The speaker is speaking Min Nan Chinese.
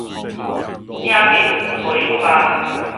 正月初三